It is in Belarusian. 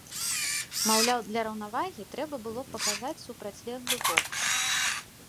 Маўляў, для раўнавагі трэба было б паказаць супрацьлеглы бок.